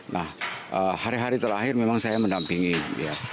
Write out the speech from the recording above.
nah hari hari terakhir memang saya mendampingi ya